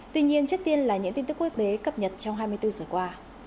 tuy nhiên trước tiên là những tin tức quốc tế cập nhật trong hai mươi bốn giờ qua